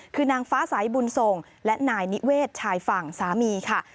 คือนางฟ้าสายบุญส่งและนายนิเวศชายฝั่งสามีค่ะ